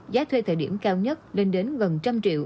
giá thuê thời điểm cao nhất lên đến gần một trăm linh triệu